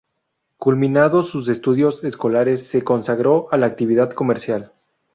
Culminados sus estudios escolares se consagró a la actividad comercial.